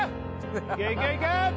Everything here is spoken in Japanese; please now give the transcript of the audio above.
いけいけいけ！